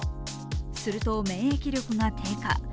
すると、免疫力が低下。